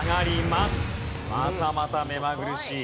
またまた目まぐるしい。